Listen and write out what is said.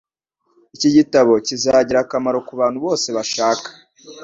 Iki gitabo kizagira akamaro kubantu bose bashaka